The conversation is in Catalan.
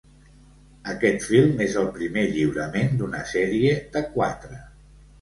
Aquest film és el primer lliurament d'una sèrie de quatre.